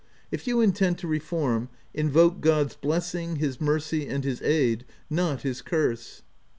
If you intend to reform, invoke God's blessing, his mercy, and his aid ; not his curse."